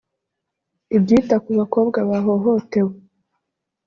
ibyita ku bakobwa bahohotewe